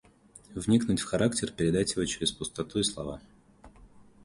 Вникнуть в характер, передать его через пустоту и слова.